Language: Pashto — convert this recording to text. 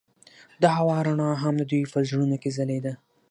د هوا رڼا هم د دوی په زړونو کې ځلېده.